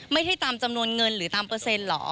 ตามจำนวนเงินหรือตามเปอร์เซ็นตเหรอ